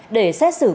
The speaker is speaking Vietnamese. để xét xử bị cắt